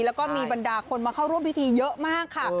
แล้วก็มีบรรดาคนมาเข้าร่วมพิธีเยอะมากค่ะ